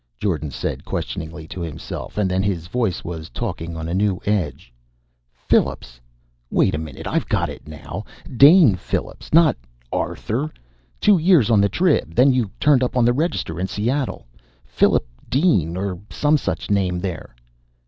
Jordan said questioningly to himself, and then his voice was taking on a new edge. "Phillips! Wait a minute, I've got it now! Dane Phillips, not Arthur! Two years on the Trib. Then you turned up on the Register in Seattle? Phillip Dean, or some such name there."